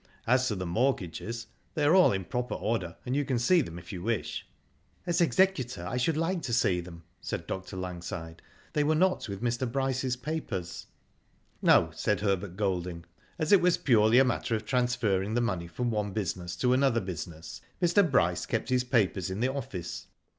As to the mortgages, they are all in proper order, and you can see them if you wish." As executor, I should like to see them," said Dr. Langside. *' They were not with Mr. Bryce's papers." No," said Herbert Golding. ^* As it was purely a matter of transferring the money from one business to another business, Mr. Bryce kept his papers in the office.